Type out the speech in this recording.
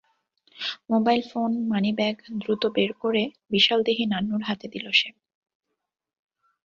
Mobile phone, money bag দ্রুত বের করে বিশালদেহী নান্নুর হাতে দিল সে।